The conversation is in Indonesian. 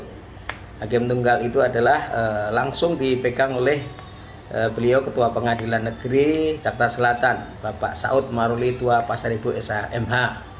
hakem tunggal itu adalah langsung dipegang oleh beliau ketua pn jakarta selatan bapak saud marulitua pasaribu s a m h